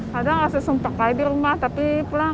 kadang langsung sumpah kayak di rumah tapi pulang